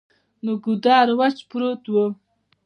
نو ګودر وچ پروت وو ـ